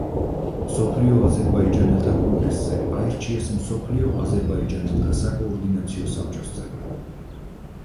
მსოფლიო აზერბაიჯანელთა კონგრესზე აირჩიეს მსოფლიო აზერბაიჯანელთა საკოორდინაციო საბჭოს წევრად.